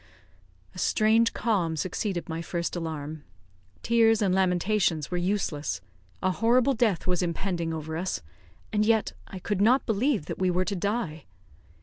A strange calm succeeded my first alarm; tears and lamentations were useless; a horrible death was impending over us, and yet I could not believe that we were to die.